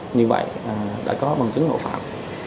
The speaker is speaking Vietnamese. như vậy đã có bằng chứng ngộ phạm